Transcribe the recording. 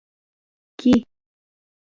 کې